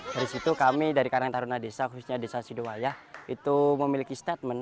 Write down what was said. dari situ kami dari karang taruna desa khususnya desa sidowayah itu memiliki statement